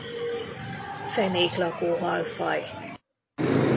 Fenéklakó halfaj.